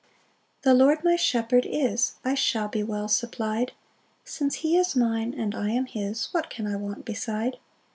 1 The Lord my shepherd is, I shall be well supply'd; Since he is mine, and I am his, What can I want beside?